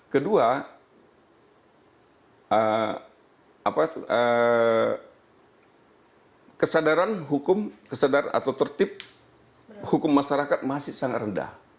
kedua kesadaran hukum kesadaran atau tertib hukum masyarakat masih sangat rendah